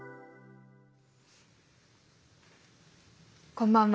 こんばんは。